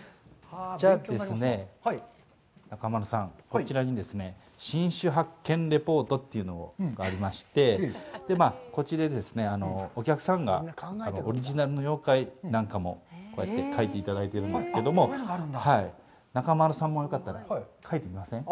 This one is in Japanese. では、中丸さん、こちらに新種発見レポートというのがありまして、こちらでお客さんがオリジナルの妖怪なんかも、こうやって描いていただいてるんですけども、中丸さんもよかったら描いてみません？